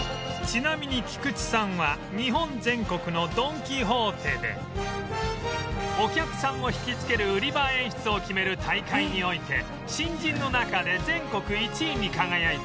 ちなみに菊池さんは日本全国のドン・キホーテでお客さんを引きつける売り場演出を決める大会において新人の中で全国１位に輝いたスゴ腕の店員さん